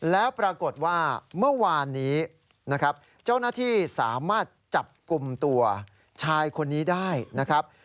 แล้วปรากฏว่าเมื่อวานนี้นะครับเจ้าหน้าที่สามารถจับกลุ่มตัวชายคนนี้ได้นะครับ